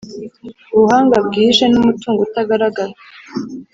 Ubuhanga bwihishe n’umutungo utagaragara,